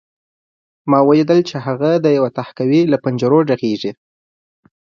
ما ولیدل چې هغه د یوې تهکوي له پنجرو غږېږي